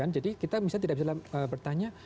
jadi kita tidak bisa bertanya